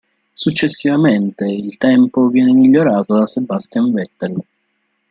Successivamente il tempo viene migliorato da Sebastian Vettel.